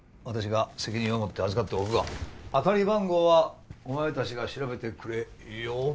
私が責任をもって預かっておくが当たり番号はお前たちが調べてくれよ